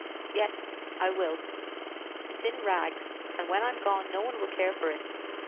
"Yes, I will. It's in rags, and when I'm gone no one will care for it.